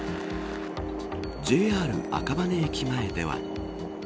ＪＲ赤羽駅前では。